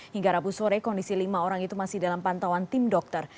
hingga rabu sore kondisi lima orang itu masih dalam pantauan tim dokter